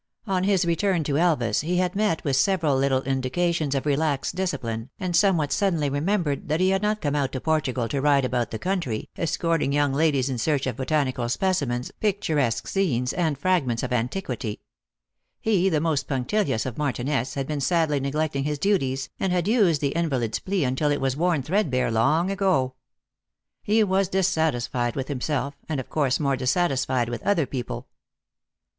On his return to Elvas he had met with several little indications of relaxed discipline, and somewhat suddenly remem 254 THE ACTRESS IN HIGH LIFE. bered that he had not come out to Portugal to ride about the country, escorting young ladies in search of botanical specimens, picturesque scenes, and fragments of antiquity. He, the most punctilious of martinets, had been sadly neglecting his duties, and had used the invalid s plea until it was worn threadbare long ago. He was dissatisfied with himself, and, of course, more dissatisfied with other people."